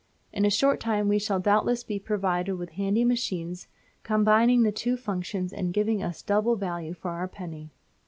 In a short time we shall doubtless be provided with handy machines combining the two functions and giving us double value for our penny.